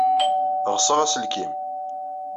Ɣseɣ aselkim.